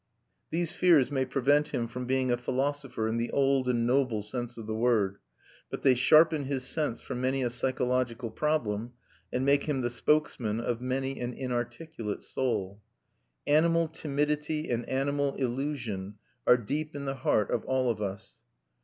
These fears may prevent him from being a philosopher in the old and noble sense of the word; but they sharpen his sense for many a psychological problem, and make him the spokesman of many an inarticulate soul. Animal timidity and animal illusion are deep in the heart of all of us.